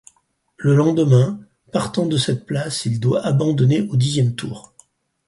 Le lendemain, partant de cette place, il doit abandonner au dixième tour.